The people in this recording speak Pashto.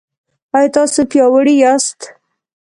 ایا تاسو پیاوړي یاست؟